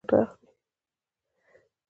چې له عقل څخه کار نه اخلي.